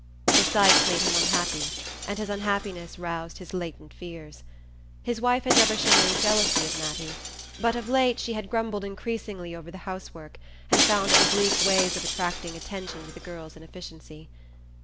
The sight made him unhappy, and his unhappiness roused his latent fears. His wife had never shown any jealousy of Mattie, but of late she had grumbled increasingly over the house work and found oblique ways of attracting attention to the girl's inefficiency.